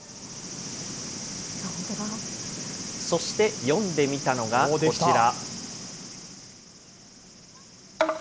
そして詠んでみたのがこちら。